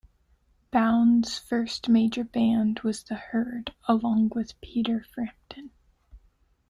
Bown's first major band was The Herd, along with Peter Frampton.